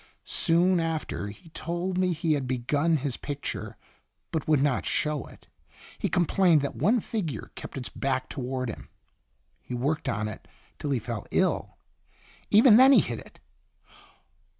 Soon after he told me he had begun his picture, but would not show it. He com plained that one figure kept its back toward him. He worked on it till he fell ill. Even then he hid it.